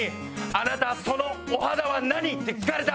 「“あなたそのお肌は何？”って聞かれた」